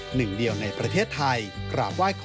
หนึ่งเดียวในประเทศไทย